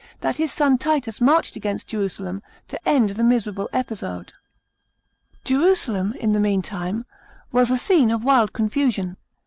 that his son Titus marched against Jerusalem to end the miserable episode. § 19. Jerusalem, in the meantime, was a scene of wild confusion.